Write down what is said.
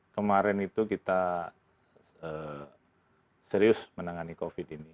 kemarin itu kita serius menangani covid ini